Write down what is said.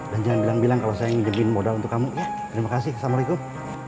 dan jangan bilang bilang kalau saya yang pinjam modal untuk kamu ya terima kasih assalamualaikum